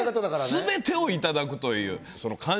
すべてをいただくという。